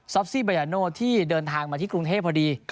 ซี่บายาโน่ที่เดินทางมาที่กรุงเทพพอดี